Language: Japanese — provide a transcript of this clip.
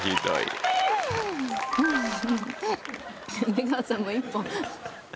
出川さんも１本。